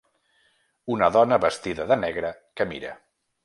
Una dona vestida de negre que mira